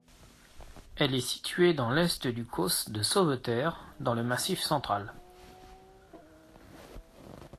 Elle est située dans l'est du causse de Sauveterre, dans le Massif Central.